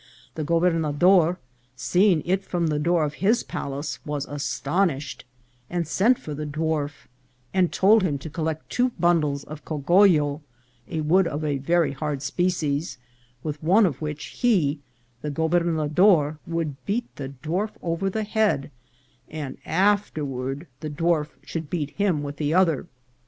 The gobernador, seeing it from the door of his palace, was astonished, and sent for the dwarf, and told him to collect two bundles of cogoiol, a wood of a very hard species, with one of which he, the gobernador, would beat the dwarf over the head, and afterward the dwarf should beat him with the other.